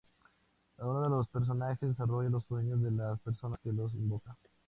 Cada uno de los personajes desarrolla los sueños de la persona que los invoca.